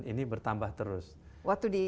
ini bertambah terus waktu di